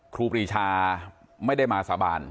ครูปรีชาไม่ได้มาสาบาน